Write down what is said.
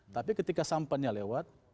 tapi ketika sampannya lewat